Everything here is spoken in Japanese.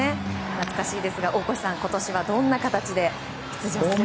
懐かしいですが、大越さん今年はどんな形で出場するか。